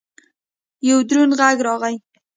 یو دروند غږ راغی!